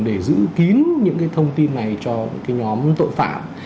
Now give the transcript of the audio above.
để giữ kín những cái thông tin này cho cái nhóm tội phạm